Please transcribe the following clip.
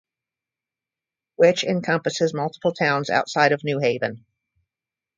Which encompasses multiple towns outside of New Haven.